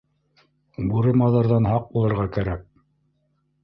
Бүре-маҙарҙан һаҡ булырға кәрәк.